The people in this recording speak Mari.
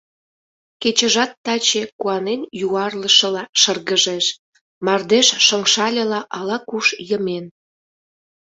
Кечыжат таче куанен юарлышыла шыргыжеш, мардеж шыҥшальыла ала-куш йымен.